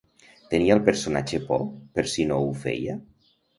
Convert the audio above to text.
Tenia el personatge por per si no ho feia?